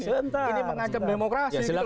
ini mengacem demokrasi